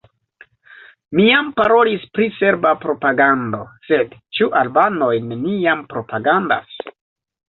Mi jam parolis pri serba propagando – sed ĉu albanoj neniam propagandas?